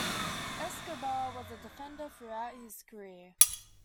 Escobar was a defender throughout his career.